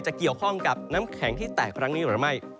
เกี่ยวข้องกับน้ำแข็งที่แตกครั้งนี้หรือไม่